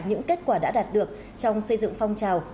những kết quả đã đạt được trong xây dựng phong trào